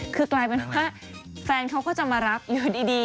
คือกลายเป็นว่าแฟนเขาก็จะมารับอยู่ดี